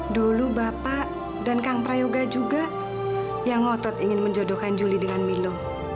dulu bapak dan kang prayoga juga yang ngotot ingin menjodohkan juli dengan milo